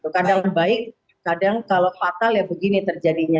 kadang baik kadang kalau fatal ya begini terjadinya